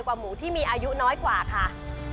หมูที่มีอายุน้อยกว่าค่ะ